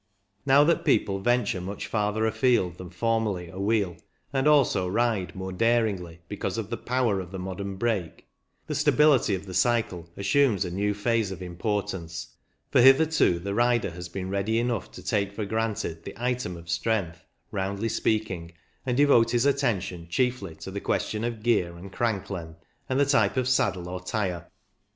Now that people venture much farther afield than formerly awheel, and also ride more daringly because of the power of the modem brake, the stability of the cycle assumes a new phase of importance, for hitherto the rider has been ready enough to take for granted the item of strength, roundly speaking, and devote his attention chiefly to the question of gear and crank length, and the type of saddle or tyre.